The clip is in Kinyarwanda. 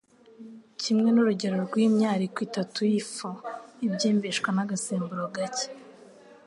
kimwe n'urugero rw'imyariko itatu y'ifu ibyimbishwa n'agasemburo gake.